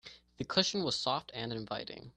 The cushion was soft and inviting.